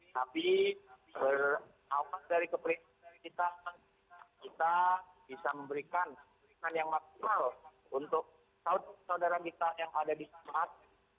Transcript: tapi berawasan dari keperluan kita kita bisa memberikan yang maksimal untuk saudara kita yang ada di rumah